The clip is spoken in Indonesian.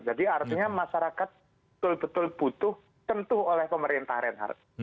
jadi artinya masyarakat betul betul butuh tentu oleh pemerintah reinhardt